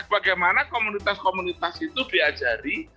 bagaimana komunitas komunitas itu diajari